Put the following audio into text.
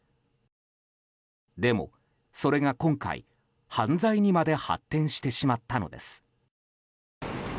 でも、それが今回、犯罪にまで発展してしまったのです。